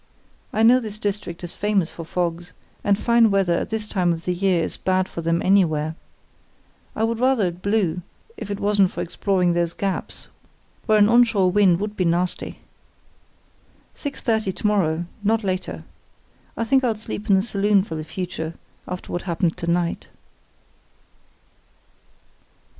I know this district is famous for fogs, and fine weather at this time of the year is bad for them anywhere. I would rather it blew, if it wasn't for exploring those gaps, where an on shore wind would be nasty. Six thirty to morrow; not later. I think I'll sleep in the saloon for the future, after what happened to night."